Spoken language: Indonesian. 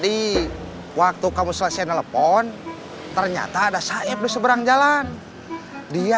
dari waktu kamu selesai telepon ternyata ada saif diseberang jalan dia